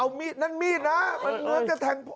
เอามีดนั่นมีดนะมันเหมือนจะแทงพ่อ